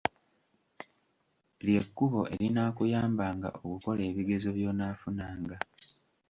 Lye kkubo erinaakuyambanga okukola ebigezo by'onaafunanga.